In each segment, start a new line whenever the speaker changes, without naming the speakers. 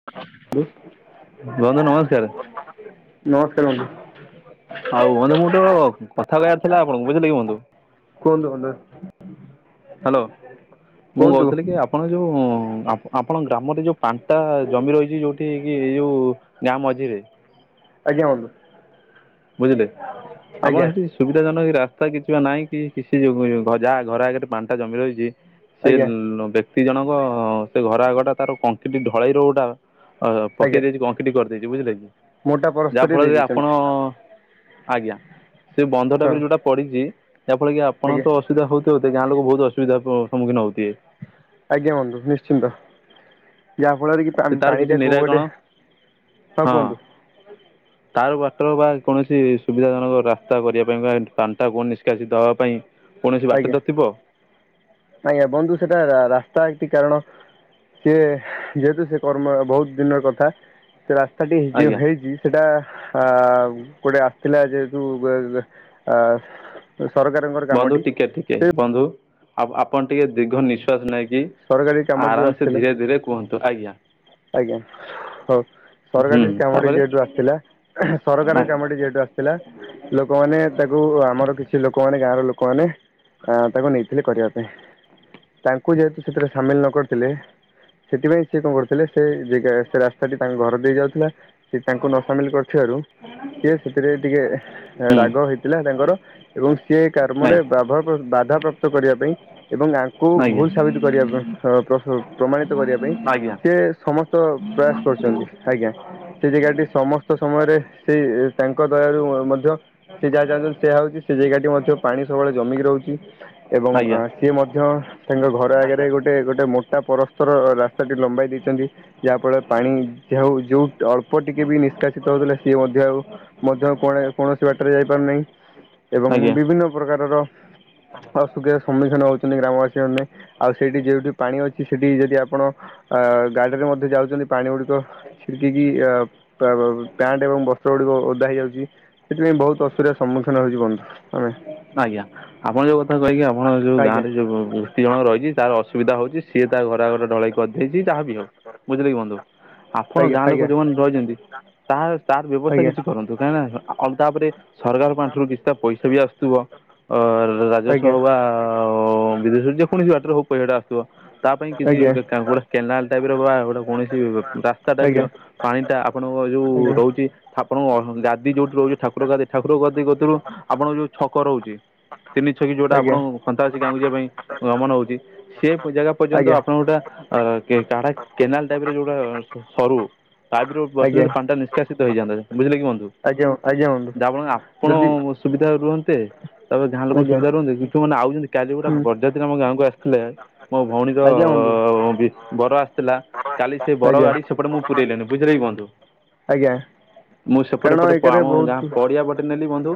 ବନ୍ଧୁ ନମସ୍କାର। ଆଉ ବନ୍ଧୁ ମୁଁ ଗୋଟେ
ନମସ୍କାର ବନ୍ଧୁ
କଥା କହିବାର ଥିଲା ଆପଣଙ୍କୁ ବୁଝିଲେ କି ବନ୍ଧୁ।
କୁହନ୍ତୁ,
ହ୍ୟାଲୋ ମୁଁ
କୁହନ୍ତୁ, କୁହନ୍ତୁ।
କହୁଥିଲି କି ଆପଣ ଯୋଉ ଆପଣଙ୍କ ଗ୍ରାମରେ ଯୋଉ ପାଣ୍ଟା ଜମି ରହିଚୁ ଯୋଉଠି କି ଏଇ ଯୋଉ ଗାଁଆ ମଝିରେ।
ଆଜ୍ଞା, ବନ୍ଧୁ।
ବୁଝିଲେ ଆପାଣ
ଆଜ୍ଞା
ସେଠି ସୁବିଧା ଜନକ ରାସ୍ତା କିଛି ବା ନାଇଁ କି କିଛି ଯଉ ଯାହା ଘର ଆଗରେ ପାଣ୍ଟା ଜମି ରହିଚି। ସେ
ଆଜ୍ଞା
ବ୍ୟକ୍ତି ଜଣକ ସେ ଘର ଆଗଟା ତାର କଂକ୍ରିଟ ଢଳେଇ ରୋଡ଼ ଟା
ଆଜ୍ଞା
ପକେଇ ଦେଇଚି କଂକ୍ରିଟ କରିଦେଇଚି ବୁଝିଲେ କି
ମୋଟା
ଯାହା
ପରସ୍ତରୀ ଦେଇ
ଫଳରେ ଆପଣ
ଦେଇଛନ୍ତି
ଆଜ୍ଞା ସେ ବନ୍ଧଟା
ହଁ
ବିରେ ଯୋଉଟା ପଡ଼ିଚି ଯାହା ଫଳ କି ଆପଣ
ଆଜ୍ଞା
ତ ଅସୁବିଧା ହୋଉଥିବ ଗାଁଆ ଲୋକ ବୋହୁତ ଅସୁବିଧା ସମ୍ମଖୀନ ହୋଉଥିବେ।
ଆଜ୍ଞା, ବନ୍ଧୁ ନିଶ୍ଚିନ୍ତ ଯାହା ଫଳରେ କି ତ
ସେ
ଆମ
ତାର କିଛି
ପାଣିଟା କୋଉ
ନିରାକରଣ
ବାଟେ ହଁ କୁହନ୍ତୁ।
ତାର ୱଟର ବା କୌଣସି ସୁବିଧାଜନକ ରାସ୍ତା କରିବା ପାଇଁ ବା ପାଣିଟା କୁଆଡେ ନିଷ୍କାସିତ ହବା ପାଇଁ କୌଣସି ବାଟ ତଥିବ?
ନାଇଁ ଆ ବନ୍ଧୁ ସେଟା ରା ରାସ୍ତା ହେଇଛି କାରଣ ସେ ଯେହେତୁ ସେ କର୍ମ ବହୁତ୍ ଦିନର କଥା ସେ ରାସ୍ତାଟି ଯଉ
ଆଜ୍ଞା
ହେଇଛି। ସେଟା ଆ ଗୋଟେ ଆସିଥିଲା ଯେହେତୁ ବେ [unintelligible] ସରକାରଙ୍କର
ବନ୍ଧୁ ଟିକେ ଟିକେ ବନ୍ଧୁ ଆ ଆପଣ ଟିକେ ଦୀର୍ଘ ନିଶ୍ୱାସ ନେଇ କି
ସରକାରୀ କାମରେ ଯୋଉ
ଆରାମ ସେ
ଆସିଥିଲେ
ଧୀରେ ଧୀରେ କୁହନ୍ତୁ ଆଜ୍ଞା।
ଆଜ୍ଞା ହଉ ସରକାର
ହୁଁ
ଟି କାମଟି
ତାପରେ ହୁଁ
ଯେହେତୁ ଆସିଥିଲା ସରକାର
ଆଜ୍ଞା
କାମଟି ଯେହେତୁ ଆସି ଥିଲା ଲୋକମାନେ ତାକୁ ଆମର କିଛି ଲୋକ ମାନେ ଗାଁ ର ଲୋକମାନେ ଆ ତାକୁ ନେଇଥିଲେ କରିବା ପାଇଁ। ତାଙ୍କୁ ଯେହେତୁ ସେଥିରେ ସାମିଲ୍ ନ କରିଥିଲେ ସେଥିପାଇଁ ସେ କଣ କରିଥିଲେ ସେ ଜେଗା ସେ ରାସ୍ତା ଟି ତାଙ୍କ ଘର ଦେଇ ଯାଉଥିଲା ସେ ତାଙ୍କୁ ନ ସାମିଲ୍ କରି ଥିବାରୁ ସିଏ ସେଥିରେ ଟିକେ ରାଗ ହେଇଥିଲା ତାଙ୍କର ଏବଂ ସିଏ କର୍ମରେ ବାଧାପ୍ର ବାଧାପ୍ରାପ୍ତ କରିବା ପାଇଁ ଏବଂ ଆଙ୍କୁ
ଆଜ୍ଞା ଆଜ୍ଞା
ଭୁଲ୍ ସାବିତ୍ କରିବା ପାଇଁ। [unintelligible] ପ୍ରମାଣିତ କରିବା ପାଇଁ ସିଏ ସମସ୍ତ ପ୍ରୟାସ କରୁଛନ୍ତି ଆଜ୍ଞା। ସେ ଜାଗାଟି ସମସ୍ତ ସମୟରେ ସେଇ ତାଙ୍କ ଦୟାରୁ ମଧ୍ୟ ସେ ଯାହା ଚାହୁଁ ଛନ୍ତି ସେଇଆ ହଉଛି ସେ ଜାଗା ଟି ମଧ୍ୟ ପାଣି ସବୁବେଳେ ଜମିକି ରହୁଛି ଏବଂ
ଆଜ୍ଞା
ସିଏ ମଧ୍ୟ ତାଙ୍କ ଘର ଆଗରେ ଗୋଟେ ଗୋଟ ମୋଟା ପରସ୍ତର ରାସ୍ତାଟି ଲମ୍ବାଇ ଦେଇଛନ୍ତି। ଯାହା ଫଳରେ ପାଣି ଯା ହଉ ଯୋଉ ଅଳ୍ପ ଟିକେ ବି ନିଷ୍କାସିତ ହଉଥିଲା ସିଏ ମଧ୍ୟ ଆଉ ମଧ୍ୟ କୁଆଡେ କୌଣସି ବାଟରେ ଯାଇପାରୁନାହିଁ ଏବଂ
ଆଜ୍ଞା
ବିଭିନ୍ନ ପ୍ରକାରର ଅସୁୁବିଧା ସମ୍ମୁଖୀନ ହଉଛନ୍ତି ଗ୍ରାମବାସୀ ମାନେ। ଆଉ ସେଇଠି ଯୋଉଠି ପାଣି ଅଛି ସେଠି ଯଦି ଆପଣ ଅ ଗାଡିରେ ମଧ୍ୟ ଯାଉଛନ୍ତି ପାଣି ଗୁଡିକ ଛିଟିକି କିି ଅ ପ୍ୟାଣ୍ଟ ଏବଂ ବସ୍ତ୍ର ଗୁଡ଼ିକ ଓଦା ହେଇଯାଉଛି। ସେଥିପାଇଁ ବହୁତ୍ ଅସୁବିଧା ସମ୍ମୁୀନ ହେଉଛି ବନ୍ଧୁ ଆମେ।
ଆଜ୍ଞା ଆପଣ ଯୋଉ କଥା କହିକି ଆପଣ ଯୋଉ
ଆଜ୍ଞା
ଗାଁରେ ଯୋଉ ବ୍ୟକ୍ତି ଜଣଙ୍କ ରହିଛି ତାର ଅସୁବିଧା ହଉଛି ସିଏ ତା ଘର ଆଗରେ ଢଳେଇ କରିଦେଇଛି ଯାହା ବି ହଉ ବୁଝିଲେ କି ବନ୍ଧୁ। ଆପଣ
ଆଜ୍ଞା
ଗାଁ ଲୋକ
ଆଜ୍ଞା
ଯୋଉମାନେ ରହିଛନ୍ତି ତା ତାର ବ୍ୟବସ୍ଥା
ଆଜ୍ଞା
କିଛି କରନ୍ତୁ କାହିଁକି ନା ଆ ଆଉ ତାପରେ ସରକାର ପାଣ୍ଠିରୁ କିଛିଟା ପଇସା ବି ଆସୁଥିବ ରାଜସ୍ୱ
ଆଜ୍ଞା
ହଉ ବା ଆଉ [unintelligible] ତା ପାଇଁ କିଛି
ଆଜ୍ଞା
ଗୋଟେ କେନାଲ ଟାଇପ୍ ର ବା ଗୋଟେ କୌଣସି ରାସ୍ତା ଟାଇପ୍
ଆଜ୍ଞା
ର ପାଣି ଟା ଆପଣଙ୍କ ଯୋଉ
ଆଜ୍ଞା
ରହୁଛି। ଆପଣଙ୍କ ଗାଦି ଯୋଉଠି ରହୁଛି ଠାକୁର ଗାଦି ଠାକୁର ଗାଦି କତିରୁ ଆପଣଙ୍କ ଯୋଉ ଛକ ରହୁଛି। ତିନି ଛକି ଯୋଉଟା ଆପଣଙ୍କୁ
ଆଜ୍ଞା
ଖନ୍ତା ଆସି ଗାଁକୁ ଯିବା ପାଇଁ ଗମନ ହଉଛି ସେ ଜାଗା ପର୍ଯ୍ୟନ୍ତ ଆପଣ ଗୋଟା କାଢା କେନାଲ ଟାଇପ୍ ରେ ଯୋଉଟା ସରୁ ପାଇପ୍ ରୁ ବସିଲେ
ଆଜ୍ଞା ଆଜ୍ଞା
ତ ପାଣିଟା ନିଷ୍କାସିତ ହେଇଯାଆନ୍ତା ବୁଝିଲେ କି ବନ୍ଦୁ।
ଆଜ୍ଞା ଆଜ୍ଞା ବନ୍ଧୁ
[unintelligible] ଆପଣ।
ଯଦି
ସୁବିଧା ରୁହନ୍ତେ ତାପରେ ଗାଁ ଲୋକ
ଆଜ୍ଞା
ସୁବିଧା ରୁହନ୍ତେ ଯଉମାନେ ଆଉଚନ୍ତି କାଲି ଗୋଟେ
ହୁଁ
ବର୍ ଯାତ୍ରି ମୋ ଗାଁକୁ ଆସିଥିଲେ ମୋ ଭଉଣୀର
ଆଜ୍ଞା ବନ୍ଧୁ
ବି ବର ଆସିଥିଲା। କାଲି ସେ ବର
ଆଜ୍ଞା
ଗାଡି ସେପଟେ ମୁଁ ପୁରେଇଲିନି ବୁଝିଲ କି ବନ୍ଧୁ।
ଆଜ୍ଞା
ମୁଁ ସେପଟେ
କାରଣ
ପଟେ
ଏକରେ
ଆମ ଗାଁ
ବହୁତ
ପଡିଆ ପଟେ ନେଲି ବନ୍ଧୁ।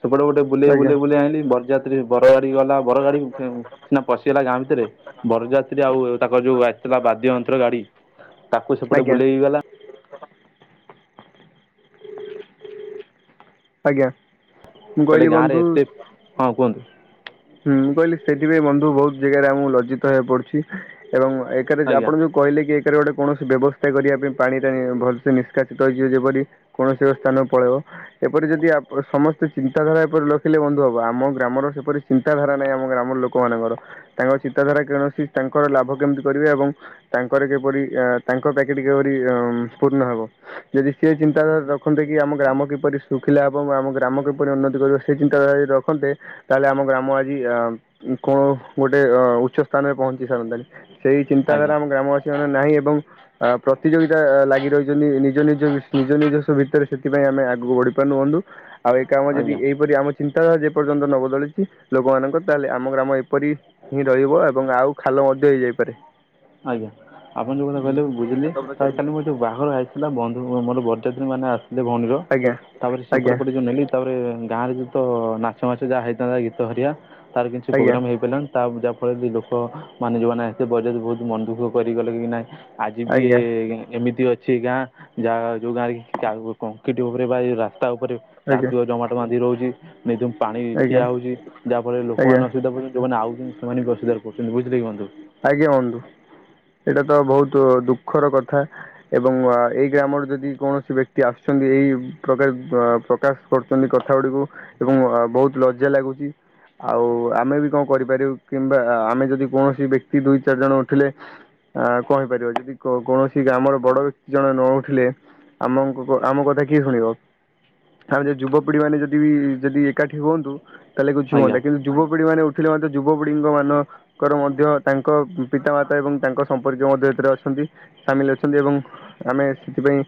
ସେପଟେ ଗୋଟେ ବୁଲେଇ
ଆଜ୍ଞା
ବୁଲେଇ ବୁଲେଇ ଆଇଲି ବରଜା ରେ ବର ଗାଡି ଗଲା ବର ଗାଡି ସିନା ପଶିଗଲା ଗାଁ ଭିତରେ ବରଯାତ୍ରୀ ଆଉ ତାଙ୍କର ଯୋଉ ଆସିଥିଲା ବାଦ୍ୟ ଯନ୍ତ୍ର ଗାଡି ତାକୁ ସେପଟେ
ଆଜ୍ଞା
ବୁଲେଇ ଗଲା।
ଆଜ୍ଞା। ମୁଁ
କହିଲେ
କହିଲି
ଗାଁ ରେ
ବନ୍ଧୁ
ଏତେ ପ୍ ହଁ କୁହନ୍ତୁ।
ହୁଁ ମୁଁ କହିଲି ସେଇଥିପାଇଁ ବନ୍ଧୁ ବହୁତ୍ ଜାଗାରେ ଆମକୁ ଲଜିତ ହେଵାକୁ ପଡୁଛି ଏବଂ ଏକେରେ
ଆଜ୍ଞା
ଆପଣ ଯୋଉ କହିଲେ କି ଏକେରେ ଗୋଟେ କୌଣସି ବ୍ୟବସ୍ଥା କରିବା ପାଇଁ ପାଣିଟା ଭଲସେ ନିଷ୍କାସିତ ହେଇଯିବ ଯେପରି‌। କୌଣସି ଏକ ସ୍ଥାନ କୁ ପଳେଇବ ଏପରି ଯଦି ଆପ ସମସ୍ତେ ଚିନ୍ତାଧାରା ଏପରି ରଖିଲେ ବନ୍ଧୁ ହବ ଆମ ଗ୍ରାମର ସେପରି ଚିନ୍ତାଧାରା ନାହିଁ ଆମ ଗ୍ରାମର ଲୋକ ମାନଙ୍କର ତାଙ୍କ ଚିନ୍ତାଧାରା କୌଣସି ତାଙ୍କର ଲାଭ କେମିତି କରିବେ ଏବଂ ତାଙ୍କର କିପରି ଏ ତାଙ୍କ ପ୍ୟାକେଟ କିପରି ପୂର୍ଣ୍ଣ ହବ ଯଦି ସିଏ ଚିନ୍ତାଧାରା ରଖନ୍ତେ କି ଆମ ଗ୍ରାମ କିପରି ଶୁଖିଲା ହେବ ଆମ ଗ୍ରାମ କିପରି ଉନ୍ନତି କରିବ ସେ ଚିନ୍ତା ଯଦି ରଖନ୍ତେ ତାହେଲେ ଆମ ଗ୍ରାମ ଆଜି ଆ କଣ ଗୋଟେ ଅ ଉଚ୍ଚ ସ୍ଥାନରେ ପହଞ୍ଚି ସାରନ୍ତାନି। ସେଇ ଚିନ୍ତାଧାରା
ଆଜ୍ଞା
ଆମ ଗ୍ରାମବାସୀ ମାନେ ନାହିଁ ଏବଂ ଆ ପ୍ରତିଯୋଗିତା ଲାଗି ରହିଛନ୍ତି ନିଜ ନିଜ ନିଜ ନିଜ ଭିତରେ ସେଥିପାଇଁ ଆମେ ଆଗକୁ ବଢି ପରିନୁ ବନ୍ଧୁ ଆଉ ଏକାମ ଯଦି
ଆଜ୍ଞା।
ଏହିପରି ଆମ ଚିନ୍ତାଧାରା ଯେ ପର୍ଯ୍ୟନ୍ତ ନବଦଳି ଲୋକମାନଙ୍କର ତାହେଲେ ଆମ ଗ୍ରାମ ଏପରି ହିଁ ରହିବ ଏବଂ ଆଉ ଖାଲ ମଧ୍ୟ ହେଇଯାଇପାରେ।
ଆଜ୍ଞା ଆପଣ ଯୋଉ କଥା କହିଲେ ବୁଝିଲି ତ କାଲି ମୁଁ ଯୋଉ ବାଘର ଆଇଥିଲା ବନ୍ଧୁ ମୋର ବରଯାତ୍ରୀ ମାନେ ଆସିଥିଲେ ଭଉଣୀର
ଆଜ୍ଞା
ତାପରେ
ଆଜ୍ଞା
ସେପଟେ ପଟେ ଯୋଉ ନେଲି ତାପରେ ଗାଁରେ ଯୁଉ ତ ନାଚ ମାଚ ଯାହା ହେଇଥାନ୍ତା ଗୀତ ହେରିକ ତାର କିଛି
ଆଜ୍ଞା
ପ୍ରୋଗ୍ରାମ ହେଇ ପାରିଲାଣି। ତା ବୁଝାଫଳରେ କି ଲୋକ ମାନେ ଯୁମାନେ ବରଯାତ୍ରୀ ବହୁତ ମନ ଦୁଃଖ କରିଗଲେ କି ନାଇଁ ଆଜି ବି
ଆଜ୍ଞା
ଏମିତି ଅଛି ଗାଁ ଯାହା ଯୋଉ ଗାଁରେ କି କଂକ୍ରିଟ୍ ଉପରେ ବା ରାସ୍ତା ଉପରେ
ଆଜ୍ଞା
କାଦୁଅ ଜମାଟ ବାନ୍ଧି ରହୁଛି। ନେ ଯୋଉ ପାଣି
ଆଜ୍ଞା
ଠିଆ ହଉଛି ଯାହା ଫଳରେ
ଆଜ୍ଞା
ଲୋକମାନେ ଅସୁବିଧା ପୁଣି ଯଉମାନେ ଆଉଚନ୍ତି ସେମାନେ ବି ଅସୁବିଧାରେ ପଡୁଛନ୍ତି ବୁଝିଲେ କି ବନ୍ଧୁ
ଆଜ୍ଞା ବନ୍ଧୁ। ଏଇଟା ତ ବହୁତ ଦୁଃଖର କଥା। ଏବଂ ଏଇ ଗ୍ରାମରେ ଯଦି କୌଣସି ବ୍ୟକ୍ତି ଆସୁଛନ୍ତି ଏଇ ପ୍ରକାର ପ୍ରକାଶ କରୁଛନ୍ତି। କ କଥା ଗୁଡିକୁ ଏବଂ ବହୁତ ଲଜ୍ଜା ଲାଗୁଚି। ଆଉ ଆମେ ବି କଣ କରିପାରିବୁ କିମ୍ବା ଆମେ ଯଦି କୌଣସି ବ୍ୟକ୍ତି ଦୁଇ ଚାରି ଜଣ ଉଠିଲେ ଆ କହେଇପାରିବ ଯଦି କୌଣସି ଗ୍ରାମର ବଡ ବ୍ୟକ୍ତି ଜଣେ ନ ଉଠିଲେ ଆମଙ୍କ ଆମ କଥା କିଏ ଶୁଣିବ? ତାଯୁବପିଢି ମାନେ ଯଦି ବି ଯଦି ଏକାଠି ହୁଅନ୍ତୁ ତାହେଲେ କୁଛୁ
ଆଜ୍ଞା
ହୁଅନ୍ତା କିନ୍ତୁ ଯୁବପିଢି ମାନେ ଉଠିଲେ ମଧ୍ୟ ଯୁବପିଢ଼ି ଙ୍କ ମାନ ଙ୍କର ମଧ୍ଯ ତାଙ୍କ ପିତାମାତା ଏବଂ ତାଙ୍କ ସମ୍ପର୍କୀୟ ମଧ୍ୟ ଏଥିରେ ଅଛନ୍ତି। ସାମିଲ ଅଛନ୍ତି ଏବଂ ଆମେ ସେଥିପାଇଁ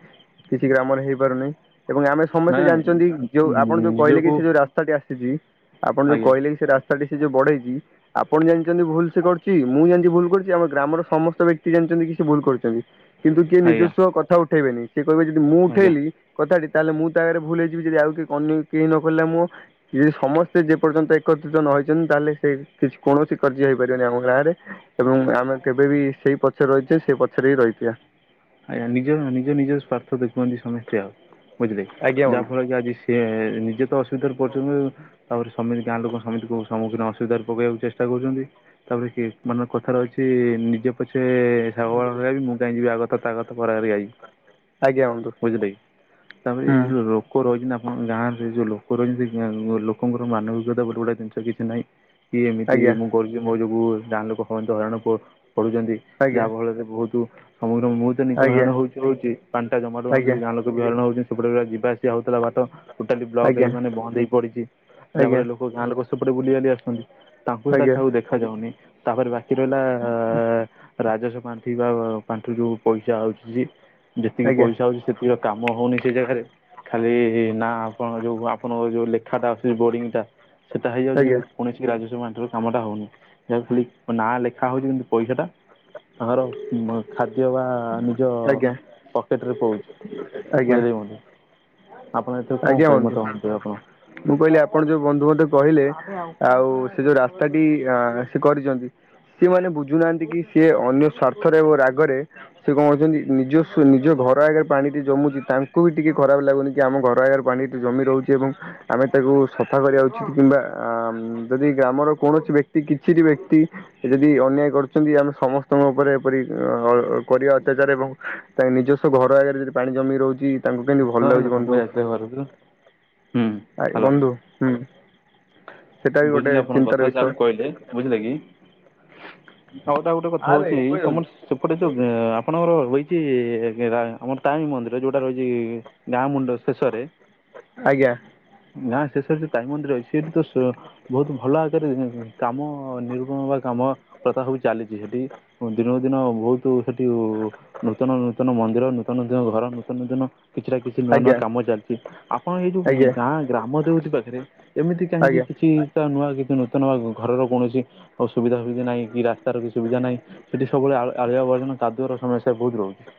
କିଛି ଗ୍ରାମରେ ହେଇପାରୁନି ଏବଂ ଆମେ ସମସ୍ତେ
ନାଇଁ
ଜାଣିଛନ୍ତି ଯେଉଁ ଆପଣ ଯେଉଁ କହିଲେ କି
ନିଜକୁ
ସେ ଯେଉଁ ରା ସ୍ତା ଟି ଆସିଛି ଆପଣ ଯୋଉ
ଆଜ୍ଞା
କହିଲେ କି ସେ ରାସ୍ତା ସେ ଯୋଉ ବଢେଇଛି ଆପଣ ଜାଣିଛନ୍ତି ଭୁଲ୍ ସେ କର ଚି ମୁଁ ଜାଣିଛି ଭୁଲ୍ କରୁଛି ଆମ ଗ୍ରାମର ସମସ୍ତ ବ୍ୟକ୍ତି ଜାଣିଛନ୍ତି କି ସେ ଭୁଲ୍ କରିଛନ୍ତି। କିନ୍ତୁ କିଏ
ଆଜ୍ଞା
ନିଜସ୍ୱ କଥା ଉଠେଇବେନି। ସିଏକହିବ ଯଦି ମୁଁ
ଆଜ୍ଞା
ଉଠେଇଲି କଥା ଟି ତାହେଲେ ମୁଁ ତା ଆଗରେ ଭୁଲ୍ ହେଇଯିବି ଯଦି ଆଉ କିଏ ଅନ୍ୟ କେହି ନ ଖୋଲିଲା ମୁଁ ଯଦି ସମସ୍ତେ ଯେ ପର୍ଯ୍ୟନ୍ତ ଏକତ୍ରିତ ନ ହେଇଛନ୍ତି ତାହେଲେ ସେ କିଛି କୌଣସି କାର୍ଯ୍ୟ ହେଇପାରିବନି ଆମ ଗାଁ ରେ ଏବଂ ଆମେ କେବେ ବି ସେଇ ପଛରେ ରହିଛେ ସେଇ ପଛରେ ହିଁ ରହିଥିବା।
ଆଜ୍ଞା ନିଜ ନିଜ ନିଜ ସ୍ୱାର୍ଥ ଦେଖନ୍ତି ସମସ୍ତେ ଆଉ ବୁଝିଲେକି
ଆଜ୍ଞା ବନ୍ଧୁ
ଯାହାଫଳ କି ଆଜି ସେ ନିଜେ ତ ଅସୁବିଧାରେ ପଡିଛନ୍ତି ତାପରେ ସମିତି ଗାଁ ଲୋକ ସମମିତି କୁ ସମ୍ମୁଖୀନ ଅସୁବିଧାରେ ପକେଇବାକୁ ଚେଷ୍ଟା କରୁଛନ୍ତି। ତାପରେ କି ମାନ କଥା ର ଅଛି ନିଜେ ପଛେ ଶାଗ ବାଳ ମୁଁ କାଇହିଁ ଯିବି ଆକଥା ତାକଥା ହର ହରି ଗାଈ
ଆଜ୍ଞା ବନ୍ଧୁ
ବୁଝିଲେ କି ତାପରେ ଏଯୋଉ ଲୋକ ରହିଛନ୍ତି ଆପଣଙ୍କ ଗାଁ ରେ ଯୋଉ ଲୋକ ରହିଛନ୍ତି ସେ ଲୋକଙ୍କର ମାନବିକତା ଗୋଟେ ଗୁଟେ ଜିନିଷ କିଛି ନାହିଁ। କି ଏମିତି
ଆଜ୍ଞା
ମୁଁ କରୁଛି ମୋ ଯୋଗୁଁ ଗାଁ ଲୋକ ହନ୍ତ ହଇରାଣ ପଢ ପଢୁଛନ୍ତି।
ଆଜ୍ଞା
ଯାହା ଫଳରେ ବହୁତୁ ସମଗ୍ର ମୁଁ ତ ନିଜ
ଆଜ୍ଞା ଆଜ୍ଞା
ହଇରାଣ ହଉଛି ହଉଛି ପାଣିଟା ଜମାଟ ବାନ୍ଧୁଛି ଗାଁ ଲୋକ [unintelligible] ହଉଛି ସେପଟେ ଯିବା ଆସିବା ହଉଥିଲା ବାଟ ଟୋଟାଲି ବ୍ଲକ୍ ହେଇ
ଆଜ୍ଞା
ମାନେ ବନ୍ଦ ହେଇ ପଡିଛି ଯାହା ଫଳ
ଆଜ୍ଞା
ଲୋ ଗାଁ ଲୋକ ସେପଟେ ବୁଲିିବାଲି ଆସୁଛନ୍ତି ତାଙ୍କୁ ହେଇଟା
ଆଜ୍ଞା
ଆଉ ଦେଖାଯାଉନି। ତାପରେ ବାକି ରହିଲା ରାଜସ୍ ପାଣ୍ଠି ବା ପାଣ୍ଠି ଯୋଉ ପଇସା ଆଉଛି ଯେତିକି
ଆଜ୍ଞା
ପଇସା ହଉଛି ସେତିକି କାମ ହଉନି ସେ ଜାଗାରେ ଖାଲି ନା ଆପଣ ଯୋଉ ଆପଣଙ୍କ ଯୋଉ ଲେଖାଟା ଅସୁଚି ବୋରିଙ୍ଗ୍ ଟା ସେଇଟା ହେଇଯାଉଛି
ଆଜ୍ଞା
କିନ୍ତୁ କୌଣସି ରାଜସ୍ଵ [unintelligible] କ୍ଷମତା ହଉନି ଯା ଖାଲି ନାଁ ଲେଖା ହଉଛି କିନ୍ତୁ ପଇସାଟା। ତାଙ୍କର ବୁ ଖାଦ୍ୟ ବା। ଆଁ ନିଜ
ଆଜ୍ଞା
ପକେଟରେ ପଳଉଛି
ଆଜ୍ଞା
ବୁଝିଲେ କି ବନ୍ଧୁ। ଆପଣ ଏଠି କଣ
ଆଜ୍ଞା
କହିବେ
ବନ୍ଧୁ
ମତେ କୁହନ୍ତୁ ଆପଣ?
ମୁଁ କହିଲି ଆପଣ ଯୋଉ ବନ୍ଧୁ ମତେ କହିଲେ ଆଉ ସେ ଯୋଉ ରାସ୍ତାଟି ଆ ସେ କରିଚନ୍ତି। ସେମାନେ ବୁଝୁନାହାନ୍ତି କି ସିଏ ଅନ୍ୟ ସ୍ୱାର୍ଥରେ ଓ ରାଗରେ। ସେ କଣ କରିଛନ୍ତି ନିଜ ସ ନିଜ ଘର ଆଗରେ ପାଣିଟି ଜମୁଛି ତାଙ୍କୁ ବି ଟିକେ ଖରାପ ଲାଗୁନି କି ଆମ ଘ ପ୍ରାୟାର ପାଣିଟି ଜମି ରହୁଛି ଏବଂ। ଆମେ ତାକୁ ସଫା କରିବା ଉଚିତ କିମ୍ବା ଆ ମ ଯଦି ଗ୍ରାମର କୌଣସି ବ୍ୟକ୍ତି କିଛି ଟି ବ୍ୟକ୍ତି। ସେ ଯଦି ଅନ୍ୟାୟ କରୁଛନ୍ତି ଆମେ ସମସ୍ତଙ୍କ ଉପରେ ଏପରି ଅ କରିବା ଅତ୍ୟାଚାର ଏବଂ। ତା ନିଜସ୍ଵ ଘର ଆଗରେ ଯଦି ପାଣି ଜମି ରହୁଛି ତାଙ୍କୁ କେମିତି ଭଲ ଲାଗୁଛି ବନ୍ଧୁ?
ସେ ଘରକୁ। ହୁଁ।
ଆ ଏ ବନ୍ଧୁ ହୁଁ। ସେଟା ବି ଗୋଟେ
ବୁଝିଲି ଆପଣଙ୍କ
ଚିନ୍ତାର
କଥା
ବିଷୟ
ଯାହା କହିଲେ। ବୁଝିଲେ କି ଆଉ ଟା ଆଉ ଗୋଟେ କଥା ହଉଛି ତମର ସେପଟେ ଯଉଁ ଆ ଆପଣଙ୍କର ରହିଛି ଏ ରା ଆମର ତାରିଣୀ ମନ୍ଦିର ଯୋଉଟା ରହିଛି ଗାଁ ମୁଣ୍ଡ ଶେଷରେ।
ଆଜ୍ଞା।
ଗାଁ ଶେଷରେ ଯୋଉ ତାରିଣୀ ମନ୍ଦିର ଅଛି ସେଇଠି ସୁ ବହୁତ ଭଲ [unintelligible] କାମ ନିରୂପଣ ବା କାମ ପ୍ରଥା ସବୁ ଚାଲିଛି ସେଠି ଉଁ ଦିନ ଦିନ ବହୁତୁ ସେଠି ଉ ନୂତନ ନୂତନ ମନ୍ଦିର ନୂତନ ନୂତନ ଘର ନୂତନ ନୂତନ। କିଛି ଟା କିଛି ନୂଆ ନୂଆ
ଆଜ୍ଞା
କାମ ଚାଲିଛି ଆପଣ ଏଇ ଯୋଉଁ
ଆଜ୍ଞା
ଗାଁ ଗ୍ରାମ ଦେବତୀ ପାଖରେ। ଏମିତି କାହିଁକି
ଆଜ୍ଞା।
କିଛି ତ ନୂଆ କିଛି ନୂତନ ଆ ଘରର କୌଣସି। ଓ ସୁବିଧା ସୁବିଧି ନାହିଁ କି ରାସ୍ତାର କିଛି ସୁବିଧା ନାହିଁ। ସେଠି ସବୁବେଳେ ଆଳ ଆଳିଆ ଆବର୍ଜନା କାଦୁଅର ସମସ୍ୟା ବହୁତ ରହୁଛି।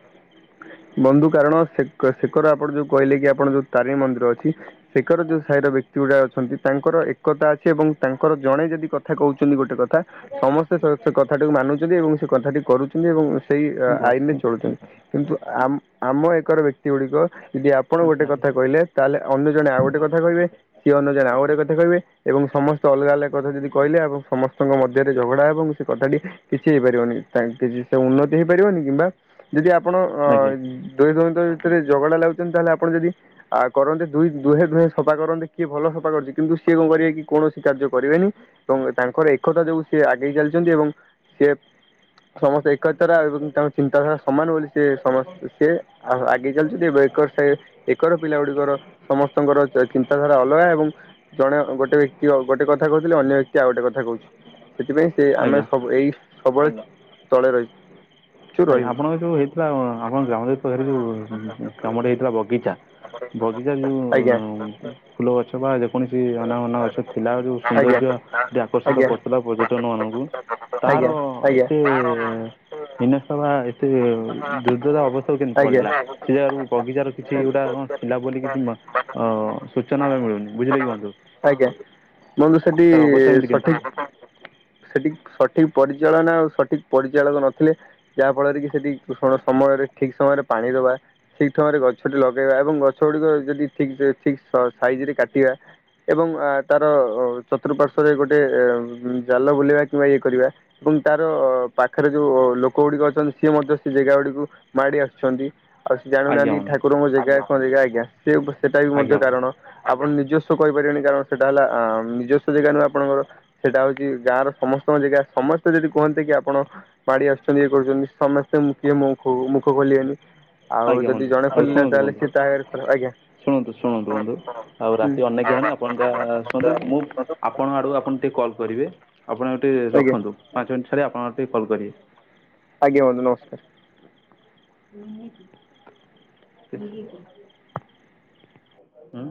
ବନ୍ଧୁ କାରଣ ସେ କ ସେ କରେ ଆପଣ ଯୋଉ କହିଲେ କି ଆପଣ ଯୋଉ ତାରିଣୀ ମନ୍ଦିର ଅଛି। ସେକର ଯଉ ସାହିର ବ୍ୟକ୍ତି ଗୁଡ଼ା ଅଛନ୍ତି ତାଙ୍କର ଏକତା ଅଛି ଏବଂ ତାଙ୍କର ଜଣେ ଯଦି କଥା କହୁଛନ୍ତି ଗୋଟେ କଥା। ସମସ୍ତେ ସ ସେ କଥାଟିକୁ ମାନୁଛନ୍ତି ଏବଂ ସେ କଥାଟି କରୁଛନ୍ତି ଏବଂ ସେଇ
ମୁଁ
ଆ-ଆଇନରେ
ବସିନି
ଚଳୁଛନ୍ତି। କିନ୍ତୁ ଆମ ଆମ ଏକର ବ୍ୟକ୍ତି ଗୁଡିକ ଯଦି ଆ ଆପଣ ଗୋଟେ କଥା କହିଲେ ତାହେଲେ ଅନ୍ୟ ଜଣେ ଆଉ ଗୋଟେ କଥା କହିବେ ସିଏ ଅନ୍ୟ ଜଣେ ଆଉ ଗୋଟେ କଥା କହିବେ। ଏବଂ ସମସ୍ତେ ଅଲଗା ଅଲଗା କଥା ଯଦି କହିଲେ ଏବଂ ସମସ୍ତଙ୍କ ମଧ୍ୟରେ ଝଗଡା ଏବଂ ସେ କଥାଟି। କିଛି ହେଇପାରିବନି ତାଙ୍କ କିଛି ସେ ଉନ୍ନତି ହେଇପାରିବନି କିମ୍ବା ଯଦି ଆପଣ ଅ
ଆଜ୍ଞା
ଦୁହେଁ ଦୁହିଁକ ଭିତରେ ଝଗଡ଼ା ଲାଗୁଛନ୍ତି ତାହେଲେ ଆପଣ ଯଦି। ଆ କରନ୍ତେ ଦୁଇ ଦୁହେଁ ଦୁହେଁ ସଫା କରନ୍ତେ କିଏ ଭଲ ସଫା କରୁଛି କିନ୍ତୁ ସିଏ କଣ କରିବେ କି କୌଣସି କାର୍ଯ୍ୟ କରିବେନି। ଏବଂ ତାଙ୍କର ଏକତା ଯୋଗୁଁ। ସିଏ ଆଗେଇ ଚାଲିଛନ୍ତି ଏବଂ ସିଏ ସମସ୍ତେ ଏକତା ର ଏବଂ ତାଙ୍କ ଚିନ୍ତାଧାରା ସମାନ ବୋଲି। ସିଏ ସମସ୍ତ ସିଏ ଆ-ଆଗେଇ ଚାଲିଛନ୍ତି ଏବେ ଏକର ସାହି। ଏକର ପିଲା ଗୁଡିକର ସମସ୍ତଙ୍କର ଚ-ଚିନ୍ତାଧାରା ଅଲଗା ଏବଂ। ଜଣେ ଅ ଗୋଟେ ବ୍ୟକ୍ତି ଅ ଗୋଟେ କଥା କହୁଥିଲେ ଅନ୍ୟ ବ୍ୟକ୍ତି ଆଉ ଗୋଟେ କଥା କହୁଛି ସେଥିପାଇଁ। ସେ ଆମେ
ଆଜ୍ଞା
ସବୁ ଏଇ ସବୁବେଳେ ତଳେ ରହି।
ଆଜ୍ଞା ଆପଣଙ୍କର ଯୋଉ ହେଇଥିଲା ଅ ଆପଣଙ୍କ ଗ୍ରାମରେ ପାଖରେ ଯୋଉ ଉଁ ଗ୍ରାମଟେ ହେଇଥିଲା ବଗିଚା। ବଗିଚା ଯୋଉ ଉଁ
ଆଜ୍ଞା।
କୁ ଫୁଲ ଗଛ ବା ଯେକୌଣସି ଅନା ବନା ଗଛ ଥିଲା ଆଉ ଯୋଉ
ଆଜ୍ଞା ଆଜ୍ଞା।
ସୌନ୍ଦର୍ଯ୍ୟ। ଟା ଆକର୍ଷିତ
ଆଜ୍ଞା
କରୁଥିଲା ପର୍ଯ୍ୟଟନ ମାନଙ୍କୁ ତାର
ଆଜ୍ଞା।
ଏତେ। ହିନସ୍ତା ବା ଏତେ ଦୁର୍ଦ୍ଦଶା ଅବସ୍ଥା କୁ କେମିତି
ଆଜ୍ଞା।
ପଳେଇଲା? ସେ ଜାଗାରୁ ବଗିଚାର କିଛି ଗୁଟା କଣ ଥିଲା ବୋଲି କିଛି ମ ଅ ସୂଚନା ବି ମିଳୁନି ବୁଝିଲେ କି ବନ୍ଧୁ।
ଆଜ୍ଞା ମୁଁ ସେଠି
ତା'ର ଅବସ୍ଥା ଏମିତି କେମିତି ହେଲା
ସଠିକ। ସେଠି ସଠିକ୍ ପରିଚାଳନା ଆଉ ସଠିକ୍ ପରିଚାଳକ ନଥିଲେ ଯାହାଫଳରେ କି ସେଠି। ଦୂଷଣ ସମୟରେ ଠିକ ସମୟରେ ପାଣି ଦବା। ଠିକ ଠମରେ ଗଛଟି ଲଗେଇବା ଏବଂ ଗଛ ଗୁଡିକ ଯଦି ଠିକ ସେ ଠିକ ସ-ସାଇଜ ରେ କାଟିବା ଏବଂ ଆ, ତାର ଅ, ଚତୁଃପାର୍ଶ୍ଵରେ ଗୋଟେ ଏ ଉଁ, ଜାଲ ବୁଲେଇବା କିମ୍ବା ଇଏ କରିବା। ଏବଂ ତାର ପାଖରେ ଯୋଉ ଲୋକ ଗୁଡିକ ଅଛନ୍ତି ସିଏ ମଧ୍ୟ ସେ ଜାଗା ଗୁଡିକୁ ମାଡ଼ି ଆସୁଛନ୍ତି। ଆଉ ସେ
ଆଜ୍ଞା
ଜାଣୁନାହାନ୍ତି କି
ବନ୍ଧୁ
ଠାକୁରଙ୍କ ଜାଗା କଣ ଜାଗା ଆଜ୍ଞା ସେ ସେଟା ବି
ଆଜ୍ଞା
ମଧ୍ୟ
ବନ୍ଧୁ
କାରଣ। ଆପଣ ନିଜସ୍ୱ କହିପାରିବେନି। କାରଣ ସେଟା ହେଲା ଅଁ, ନିଜସ୍ୱ ଜାଗା ନୁହଁ ଆପଣଙ୍କର। ସେଇଟା ହଉଚି ଗାଁ ର ସମସ୍ତଙ୍କ ଜାଗା। ସମସ୍ତେ ଯଦି କୁହନ୍ତି କି ଆପଣ ମାଡି ଆସୁଛନ୍ତି ଇଏ କରୁଛନ୍ତି ସମସ୍ତେ ମୁ କିଏ ମୋଖୁ ମୁଖ ଖୋଲିିବେନି। ଆଉ
ଆଜ୍ଞା ବନ୍ଧୁ
ଯଦି ଜଣେ
ଆଉ
ଖୋଲିଲା
ଶୁଣନ୍ତୁ
ତାହେଲେ
ବନ୍ଧୁ
ସେ ତାହାର ଖୋଲ। ଆଜ୍ଞା।
ଶୁଣନ୍ତୁ ଶୁଣନ୍ତୁ ବନ୍ଧୁ ଆଉ
ହୁଁ
ରାତି ଅନେକ ହେଲାଣି ଆପଣ ଯାହା ଶୁଅନ୍ତୁ। ମୁଁ ଆ ଆପଣ ଆଡ଼ୁ ଆପଣ ଟିକେ କଲ୍ କରିବେ। ଆପଣ ଏବେ ଟିକେ
ଆଜ୍ଞା
ରଖନ୍ତୁ। ପାଞ୍ଚ ମିନିଟ୍ ଛାଡି ଆପଣ ଟିକେ କଲ୍ କରିବେ।
ଆଜ୍ଞା ବନ୍ଧୁ ନମସ୍କାର।
ଏମିତି [unintelligible] ହୁଁ।